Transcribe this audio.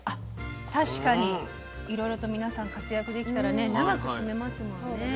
確かに、いろいろと皆さん活躍できたら長く住めますもんね。